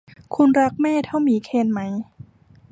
คุณรักแม่เท่าหมีเคนไหม